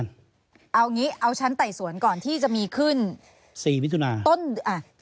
เอางี้เอาชั้นไต่สวนก่อนที่จะมีขึ้น๔มิถุนาต้นอ่ะ